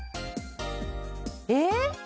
えっ！？